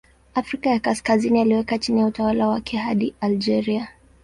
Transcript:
Afrika ya Kaskazini aliweka chini ya utawala wake hadi Algeria.